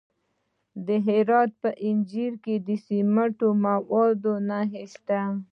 د هرات په انجیل کې د سمنټو مواد شته.